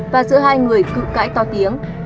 và giữa hai người cựu cãi to tiếng